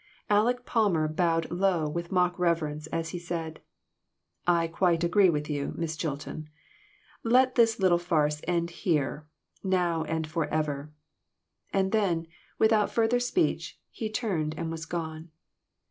Aleck Palmer bowed low with mock reverence as he said " I quite agree with you, Miss Chilton. Let this little farce end here, now and forever." And then, without further speech, he turned and was gone.